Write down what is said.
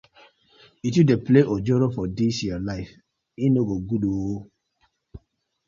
Yu too dey play ojoro for dis yu life, e no good ooo.